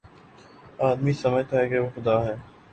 آدمی سمجھتا ہے کہ وہ خدا ہے